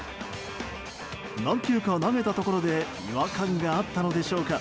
何球か投げたところで違和感があったのでしょうか。